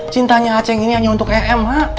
cintanya aceh ini hanya untuk em ma